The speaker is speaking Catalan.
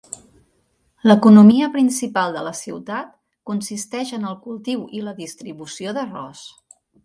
L'economia principal de la ciutat consisteix en el cultiu i la distribució d'arròs.